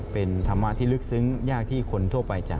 เป็นธรรมะที่ลึกซึ้งยากที่คนทั่วไปจะ